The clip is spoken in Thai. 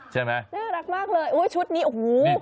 ใช่ไหมน่ารักมากเลยโอ้ยชุดนี้โอ้โห